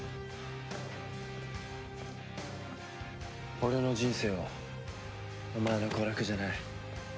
俺の人生はお前の娯楽じゃない。